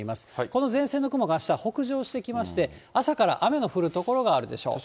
この前線の雲があした、北上してきまして、朝から雨の降る所があるでしょう。